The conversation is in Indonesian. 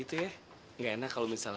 tapi mau habis kalau di dasar lagi